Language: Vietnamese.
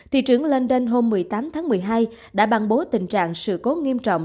thị trưởng london hôm một mươi tám tháng một mươi hai đã bàn bố tình trạng sự cố nghiêm trọng